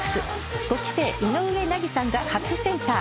５期生井上和さんが初センター。